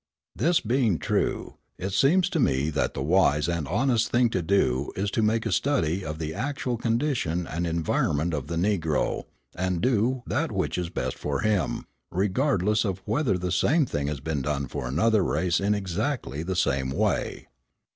This being true, it seems to me that the wise and honest thing to do is to make a study of the actual condition and environment of the Negro, and do that which is best for him, regardless of whether the same thing has been done for another race in exactly the same way.